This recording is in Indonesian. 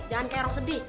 jangan kayak roh sedih